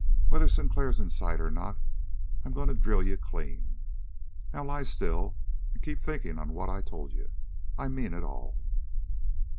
Whether Sinclair's in sight or not, I'm going to drill you clean. Now lie still and keep thinking on what I told you. I mean it all!"